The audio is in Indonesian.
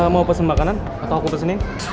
mau pesen makanan atau aku kesini